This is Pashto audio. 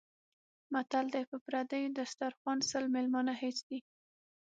متل دی: په پردي دسترخوان سل مېلمانه هېڅ دي.